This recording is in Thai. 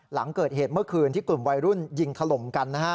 หลังเกิดเหตุเมื่อคืนที่กลุ่มวัยรุ่นยิงถล่มกันนะฮะ